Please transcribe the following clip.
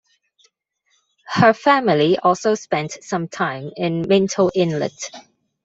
Her family also spent some time at Minto Inlet.